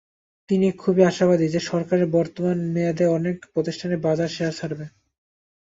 তিনি খুবই আশাবাদী যে, সরকারের বর্তমান মেয়াদে অনেক প্রতিষ্ঠানই বাজারে শেয়ার ছাড়বে।